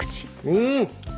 うん！